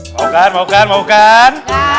mau kan mau kan mau kan